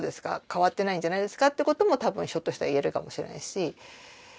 変わっていないんじゃないですか？ということもたぶんひょっとしたら言えるかもしれないし。